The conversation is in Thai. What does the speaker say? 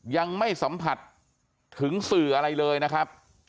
ยังไม่สัมผัสถึงสื่ออะไรเลยนะครับ